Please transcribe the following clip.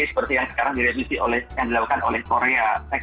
seperti yang sekarang direvisi oleh yang dilakukan oleh korea